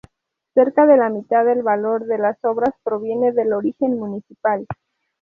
Cerca de la mitad del valor de las obras proviene de origen municipal.